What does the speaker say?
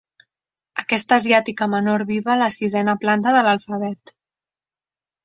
Aquesta asiàtica menor viva a la sisena planta de l'alfabet.